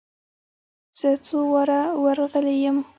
زه څو واره ور رغلى يم.